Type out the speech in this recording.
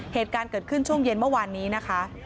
เหตุการณ์เกิดขึ้นช่วงเย็นเมื่อวานนี้นะคะ